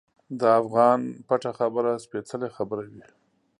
د افغان پټه خبره سپیڅلې خبره وي.